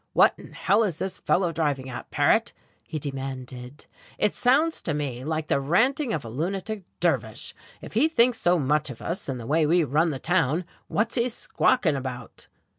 "What in hell is this fellow driving at, Paret?" he demanded. "It sounds to me like the ranting of a lunatic dervish. If he thinks so much of us, and the way we run the town, what's he squawking about?"